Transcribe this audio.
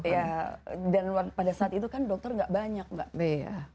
iya jadi pada saat itu kan dokter nggak banyak mbak